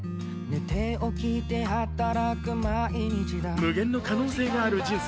無限の可能性がある人生。